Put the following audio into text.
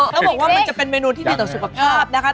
ต้องบอกว่ามันจะเป็นเมนูที่ดีต่อสุขภาพนะคะ